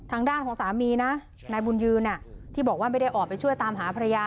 ทางด้านของสามีนะนายบุญยืนที่บอกว่าไม่ได้ออกไปช่วยตามหาภรรยา